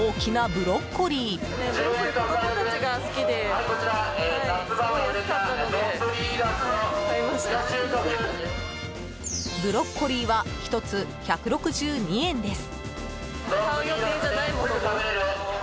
ブロッコリーは１つ、１６２円です。